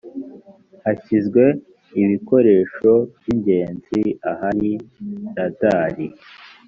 hashyizwe ibikoresho by ingenzi ahari radari